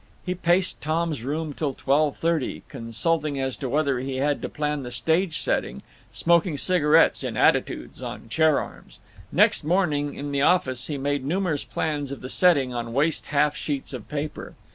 He paced Tom's room till twelve thirty, consulting as to whether he had to plan the stage setting; smoking cigarettes in attitudes on chair arms. Next morning in the office he made numerous plans of the setting on waste half sheets of paper.